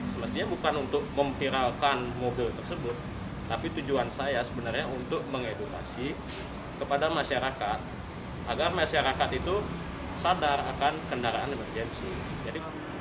semestinya bukan untuk memviralkan mobil tersebut tapi tujuan saya sebenarnya untuk mengedukasi kepada masyarakat agar masyarakat itu sadar akan kendaraan emergensi